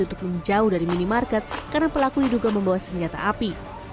untuk menjauh dari minimarket karena pelaku diduga membawa senjata api